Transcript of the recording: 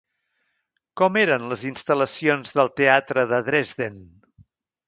Com eren les instal·lacions del teatre de Dresden?